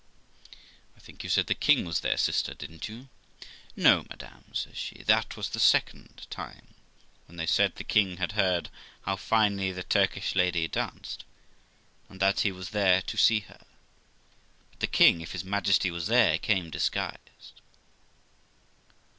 '1 think you said the king was there, sister, didn't you?' ' No, madam ', says she, ' that was the second time, when they said the king had heard how finely the Turkish lady danced, and that he was there to see her; but the king, if his Majesty was there, came disguised.'